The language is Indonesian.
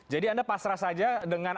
jadi anda pasrah saja dengan